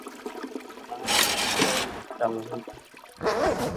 কিন্তু মহাশয়ের কোথায় যাওয়া হইতেছে?